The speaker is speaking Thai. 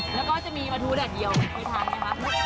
แล้วก็จะมีปลาทูแดดเดียวที่พร้อมนะคะ